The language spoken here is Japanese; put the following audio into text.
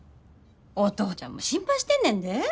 お父ちゃんも心配してんねんで。